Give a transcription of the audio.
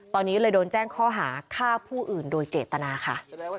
ตอนนี้เลยโดนแจ้งข้อหาฆ่าผู้อื่นโดยเจตนาค่ะ